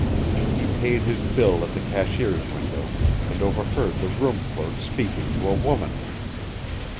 He paid his bill at the cashier's window, and overheard the room clerk speaking to a woman.